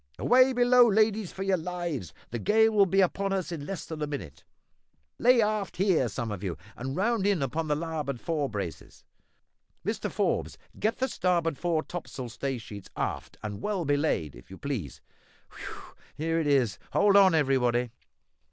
Away below, ladies, for your lives; the gale will be upon us in less than a minute. Lay aft here, some of you, and round in upon the larboard fore braces! Mr Forbes, get the starboard fore topmast staysail sheets aft and well belayed, if you please. Whew! here it is; hold on, everybody!"